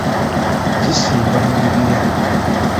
Zisimba mu bibira.